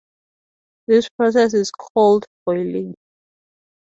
This process is called boiling.